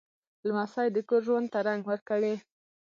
لمسی د کور ژوند ته رنګ ورکوي.